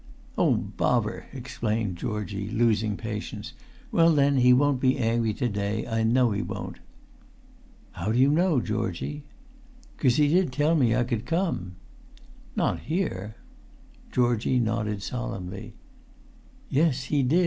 "Oh, bovver!" exclaimed Georgie, losing patience.[Pg 282] "Well, then, he won't be angry to day, I know he won't." "How do you know, Georgie?" "'Cos he did tell me I could come." "Not here?" Georgie nodded solemnly. "Yes, he did.